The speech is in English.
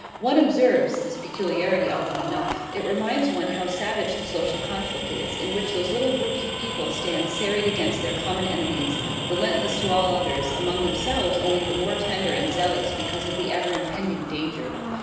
One observes this peculiarity often enough; it reminds one how savage the social conflict is, in which those little groups of people stand serried against their common enemies; relentless to all others, among themselves only the more tender and zealous because of the ever impending danger.